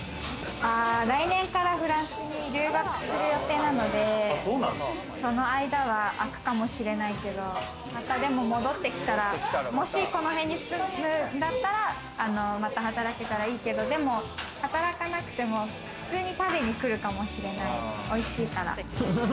来年からフランスに留学する予定なので、その間はあくかもしれないけれども、またでも戻ってきたら、もしこの辺に住むんだったらまた働けたらいいけど、でも働かなくても普通に食べに来るかもしれない、おいしいから。